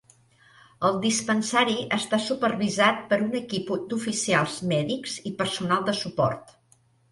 El dispensari està supervisat per un equip d'Oficials Mèdics i personal de suport.